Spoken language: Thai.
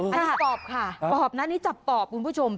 อันนี้ปอบค่ะปอบนะนี่จับปอบคุณผู้ชม